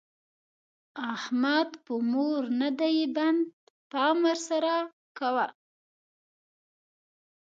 احمد په مور نه دی بند؛ پام ور سره کوه.